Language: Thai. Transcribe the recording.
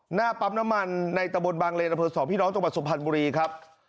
หน้าปั๊บน้ำมันในตะบนบางเลระเผิด๒พี่น้องจงบัตรสุพรรณบุรีครับ